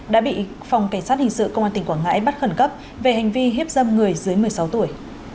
đã bị phòng cảnh sát hình sự công an tỉnh quảng ngãi bắt khẩn cấp về hành vi hiếp dâm người dưới một mươi sáu tuổi